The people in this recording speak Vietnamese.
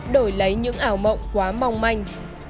đổi lấy những ảo mộng quá mong manh